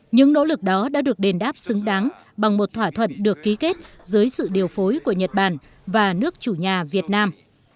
những nỗ lực đó đã được đền đáp xứng đáng bằng một thỏa thuận được ký kết dưới sự điều phối của nhật bản và nước chủ nhà việt nam